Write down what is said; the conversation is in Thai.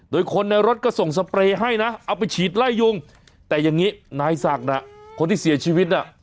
โดยคนในรถก็ส่งสเปรย์ให้นะเอาไปฉีดไล่ยุงแต่อย่างนี้นายศักดิ์น่ะคนที่เสียชีวิตน่ะ